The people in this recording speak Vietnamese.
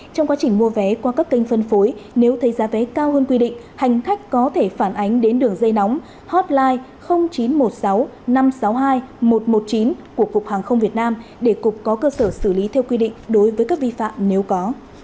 trong quá trình mua vé qua các kênh phân phối nếu thấy giá vé cao hơn quy định hành khách có thể phản ánh đến đường dây nóng hotline chín trăm một mươi sáu năm trăm sáu mươi hai một trăm một mươi chín của cục hàng không việt nam để cục có cơ sở xử lý theo quy định đối với các vi phạm nếu có